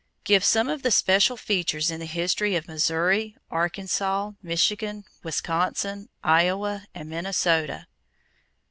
Give some of the special features in the history of Missouri, Arkansas, Michigan, Wisconsin, Iowa, and Minnesota.